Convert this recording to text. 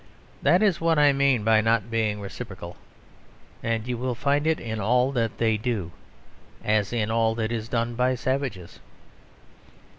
That is what I mean by not being reciprocal: and you will find it in all that they do: as in all that is done by savages.